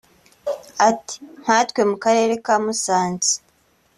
Ati“ Nka twe mu karere ka Musanze